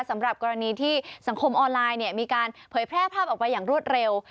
สำหรับกรณีที่สังคมออนไลน์มีการเผยแพร่ภาพออกไปอย่างรวดเร็ว